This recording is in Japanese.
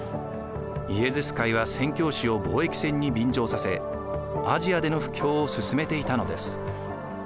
イエズス会は宣教師を貿易船に便乗させアジアでの布教を進めていたのです。